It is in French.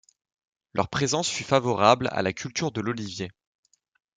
Leur présence fut favorable à la culture de l'olivier.